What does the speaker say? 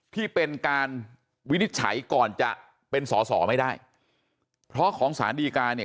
ที่เป็นการวินิจฉัยก่อนจะเป็นสอสอไม่ได้เพราะของสารดีการเนี่ย